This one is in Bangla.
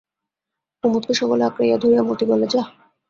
কুমুদকে সবলে আঁকড়াইয়া ধরিয়া মতি বলে, যাহ।